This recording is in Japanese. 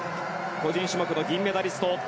個人種目の銀メダリスト。